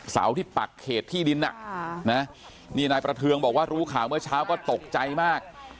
เสาที่ปักเขตที่ดินนี่นายประเทืองบอกว่ารู้ข่าวเมื่อเช้าก็ตกใจมาก